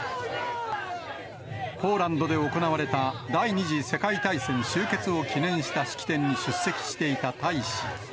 ポーランドで行われた、第２次世界大戦終結を記念した式典に出席していた大使。